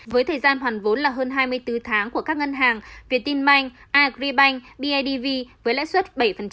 với thời gian hoàn vốn là hơn hai mươi bốn tháng của các ngân hàng việt tin manh agribank bidv với lãi suất bảy